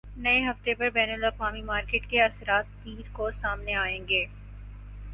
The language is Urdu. نئے ہفتے پر بین الاقوامی مارکیٹ کے اثرات پیر کو سامنے آئیں گے